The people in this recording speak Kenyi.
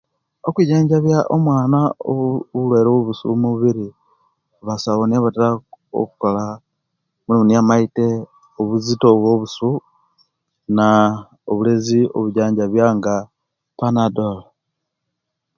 Okujajambya omwaana obu obulwaire obwo'busu omumubiri basawo niibo abatera okukola kuba niibo bamaite obuzito bwo'busu naa obulezi obujajambya nga panadol